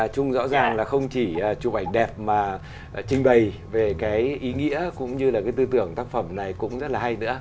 chung rõ ràng là không chỉ chụp ảnh đẹp mà trưng bày về cái ý nghĩa cũng như là cái tư tưởng tác phẩm này cũng rất là hay nữa